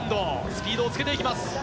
スピードをつけていきます。